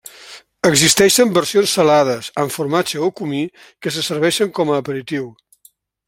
Existeixen versions salades, amb formatge o comí, que se serveixen com a aperitiu.